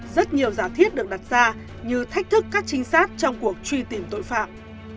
rất nhiều giả thiết được đặt ra như thách thức các trinh sát trong cuộc truy tìm tội phạm